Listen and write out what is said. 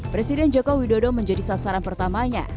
presiden joko widodo menjadi sasaran pertamanya